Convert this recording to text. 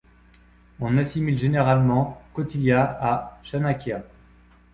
On assimile généralement Kautilya à Chânakya.